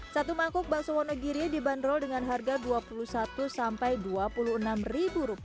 satu mangkuk bakso wonogiri dibanderol dengan harga rp dua puluh satu sampai rp dua puluh enam